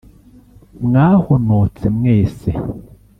mwahonotse mwese